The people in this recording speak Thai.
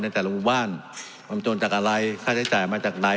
แต่ละหมู่บ้านความจนจากอะไรค่าใช้จ่ายมาจากไหน